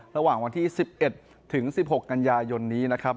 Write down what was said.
ระหว่างวันที่๑๑ถึง๑๖กันยายนนี้นะครับ